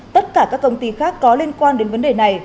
tất cả các công ty khác có liên quan đến vấn đề này